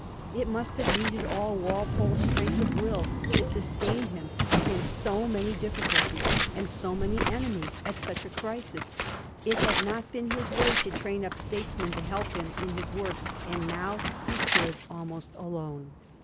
It must have needed all Walpole's strength of will to sustain him against so many difficulties and so many enemies at such a crisis. It had not been his way to train up statesmen to help him in his work, and now he stood almost alone.